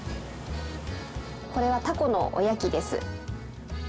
これはタコのおやきです。